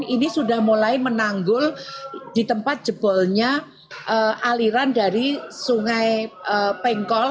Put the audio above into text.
ini sudah mulai menanggul di tempat jebolnya aliran dari sungai pengkol